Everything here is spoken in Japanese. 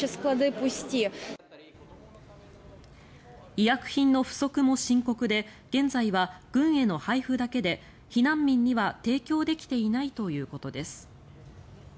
医薬品の不足も深刻で現在は軍への配布だけで避難民には提供できていないということです。